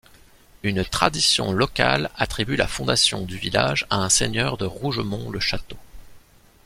Une tradition locale attribue la fondation du village à un seigneur de Rougemont-le-Château.